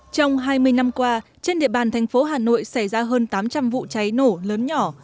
trong hai mươi năm qua trên địa bàn thành phố hà nội xảy ra hơn tám trăm linh vụ cháy nổ lớn nhỏ